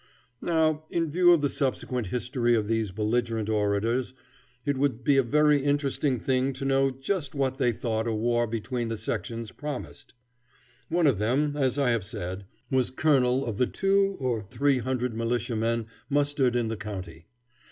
Now, in view of the subsequent history of these belligerent orators, it would be a very interesting thing to know just what they thought a war between the sections promised. One of them, as I have said, was colonel of the two or three hundred militia men mustered in the county.